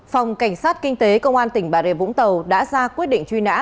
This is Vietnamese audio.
phòng cảnh sát kinh tế công an tỉnh bà rệ vũng tàu đã ra quyết định truy nã